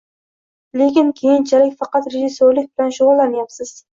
Lekin keyinchalik faqat rejissyorlik bilan shug‘ullanyapsiz…